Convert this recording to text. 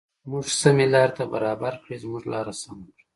موږ سمې لارې ته برابر کړې زموږ لار سمه کړه.